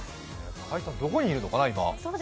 甲斐さんどこにいるのかな、今。